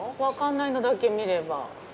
分かんないのだけ見れば。